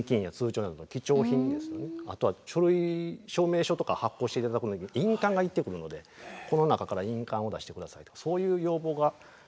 あとは書類証明書とか発行して頂くのに印鑑が要ってくるのでこの中から印鑑を出して下さいとそういう要望が非常に多いんです。